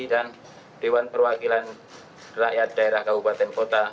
dan dewan perwakilan rakyat daerah kabupaten kota